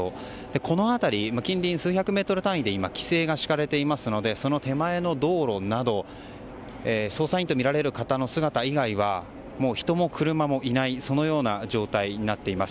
この辺り近隣数百メートル単位で今、規制が敷かれていますのでその手前の道路など捜査員とみられる人の姿以外は人も車もいないそのような状態になっています。